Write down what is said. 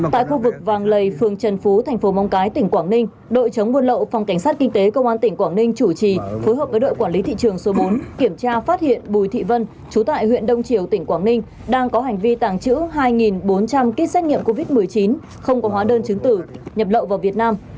tại khu vực vàng lầy phường trần phú thành phố móng cái tỉnh quảng ninh đội chống buôn lậu phòng cảnh sát kinh tế công an tỉnh quảng ninh chủ trì phối hợp với đội quản lý thị trường số bốn kiểm tra phát hiện bùi thị vân chú tại huyện đông triều tỉnh quảng ninh đang có hành vi tàng trữ hai bốn trăm linh kit xét nghiệm covid một mươi chín không có hóa đơn chứng tử nhập lậu vào việt nam